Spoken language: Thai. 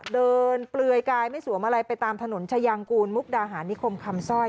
เปลือยกายไม่สวมอะไรไปตามถนนชายางกูลมุกดาหารนิคมคำสร้อย